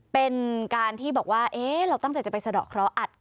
เป็นการที่บอกว่าเอ๊ะเราตั้งใจจะไปสะดอกเขา